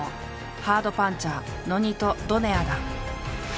ハードパンチャーノニト・ドネアだ。